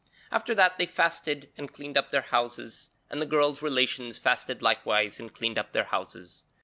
After that they fasted and cleaned up their houses, and the girl's relations fasted likewise and cleaned up their houses.